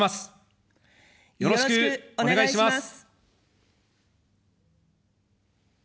よろしくお願いします。